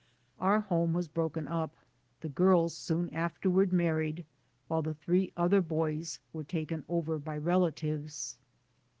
Our home was broken up, the girls soon afterward married, while the three other boys were taken over by relatives.